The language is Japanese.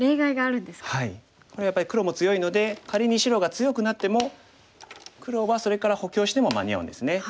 これはやっぱり黒も強いので仮に白が強くなっても黒はそれから補強しても間に合うんですね。